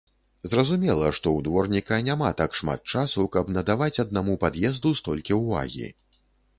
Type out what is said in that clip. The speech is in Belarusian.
Зразумела, што ў дворніка няма так шмат часу, каб надаваць аднаму пад'езду столькі ўвагі.